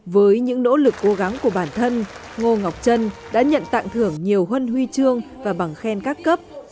với những nỗ lực cố gắng của bản thân ngô ngọc trân đã nhận tặng thưởng nhiều huân huy trương và bằng khen các cấp